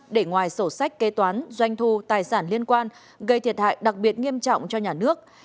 để ngoài sổ sách kế toán doanh thu tài sản liên quan gây thiệt hại đặc biệt nghiêm trọng cho nhà nước